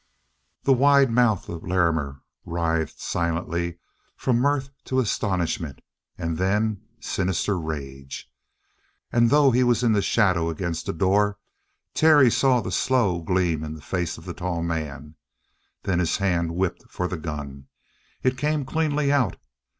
The wide mouth of Larrimer writhed silently from mirth to astonishment, and then sinister rage. And though he was in the shadow against the door, Terry saw the slow gleam in the face of the tall man then his hand whipped for the gun. It came cleanly out.